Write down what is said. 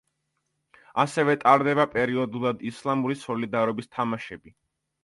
ასევე, ტარდება პერიოდულად ისლამური სოლიდარობის თამაშები.